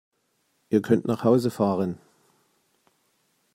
Ihr könnt nach Hause fahren!